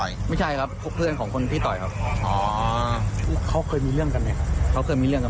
ครับเจอไปเจอเพื่อนผมอยู่ข้างหน้าแล้วเขาก็ยิงอีกครับ